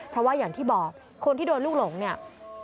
เพราะว่าอย่างที่บอกคนที่โดนลูกหลงเนี่ย